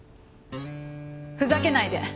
ふざけないで。